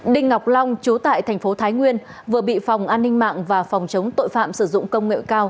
đinh ngọc long chú tại thành phố thái nguyên vừa bị phòng an ninh mạng và phòng chống tội phạm sử dụng công nghệ cao